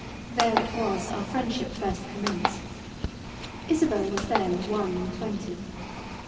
There it was our freindship first commenced. Isobel was then one and twenty.